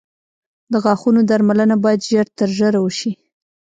د غاښونو درملنه باید ژر تر ژره وشي.